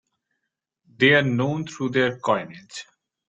They are known through their coinage.